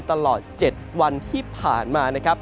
ตลอด๗วันที่ผ่านมานะครับ